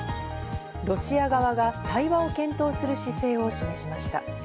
ロシア側が対話を検討する姿勢を示しました。